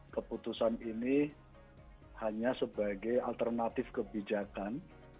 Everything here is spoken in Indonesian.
keputusan ini hanya sebagai alternatif kebijakan